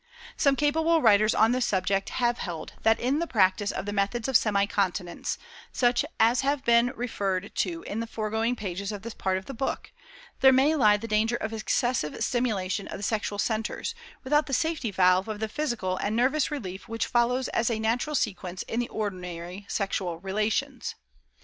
Some capable writers on the subject have held that in the practice of the methods of semi continence, such as have been referred to in the foregoing pages of this part of the book, there may lie the danger of excessive stimulation of the sexual centres, without the safety valve of the physical and nervous relief which follows as a natural sequence in the ordinary sexual relations.